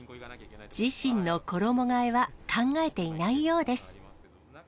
自身の衣がえは考えていないようです。